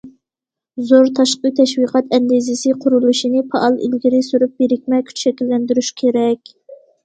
زور تاشقى تەشۋىقات ئەندىزىسى قۇرۇلۇشىنى پائال ئىلگىرى سۈرۈپ، بىرىكمە كۈچ شەكىللەندۈرۈش كېرەك.